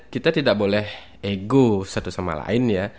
kita tidak boleh ego satu sama lain ya